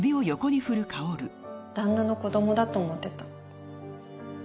旦那の子どもだと思ってた。